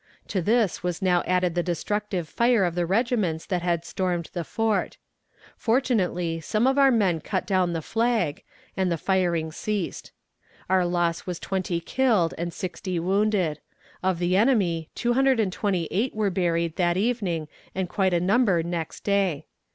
To this was now added the destructive fire of the regiments that had stormed the fort. Fortunately some of our men cut down the flag, and the firing ceased. Our loss was twenty killed and sixty wounded. Of the enemy two hundred and twenty eight were buried that evening and quite a number next day.